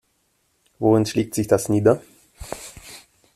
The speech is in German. Worin schlägt sich das nieder?